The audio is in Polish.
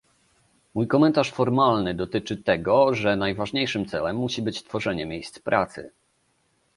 Mój komentarz formalny dotyczy tego, że najważniejszym celem musi być tworzenie miejsc pracy